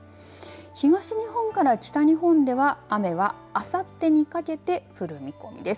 東日本から北日本では雨は、あさってにかけて降る見込みです。